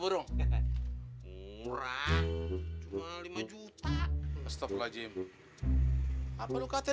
berapa tuh burung